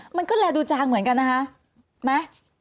มันก็เลยดูจางเหมือนกันนะฮะ